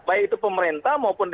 baik itu pemerintah maupun